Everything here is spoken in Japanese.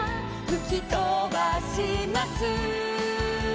「ふきとばします」